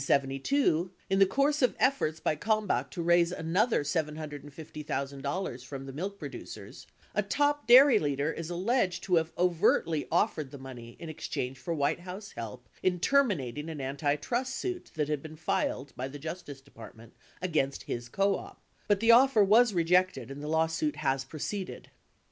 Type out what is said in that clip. In 1972, in the course of efforts by Kalmbach to raise another $750,000 from the milk producers, a top dairy leader is alleged to have overtly offered the money in exchange for White House help in terminating an antitrust suit that had been filed by the Justice Department against his co op, but the offer was rejected and the law suit has proceeded.